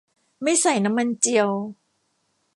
ไม่ใส่น้ำมันเจียว